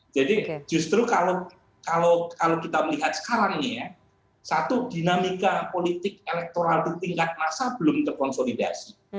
jadi justru kalau kita melihat sekarang ini ya satu dinamika politik elektoral di tingkat massa belum terkonsolidasi